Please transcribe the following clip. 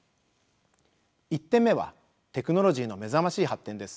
１点目はテクノロジーの目覚ましい発展です。